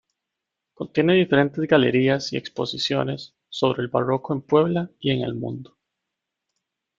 Contiene diferentes galerías y exposiciones sobre el barroco en Puebla y en el mundo.